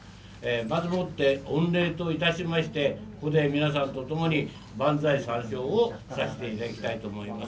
まずもって御礼といたしまして、ここで皆さんとともに、万歳三唱をさせていただきたいと思います。